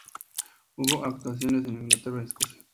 Hubo actuaciones en Inglaterra y Escocia.